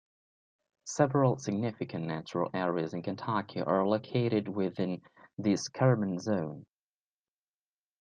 Several significant natural areas in Kentucky are located within the escarpment zone.